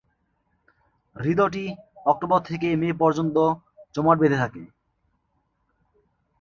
হ্রদটি অক্টোবর থেকে মে পর্যন্ত জমাট বেধে থাকে।